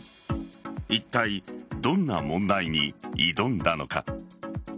いったいどんな問題に挑んだのか。